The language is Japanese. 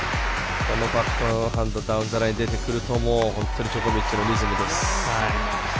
バックハンドダウンザラインが出てくると本当にジョコビッチのリズムです。